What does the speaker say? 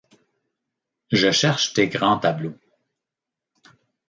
Je cherche tes grands tableaux ;